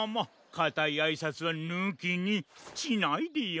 かたいあいさつはぬきにしないでよ。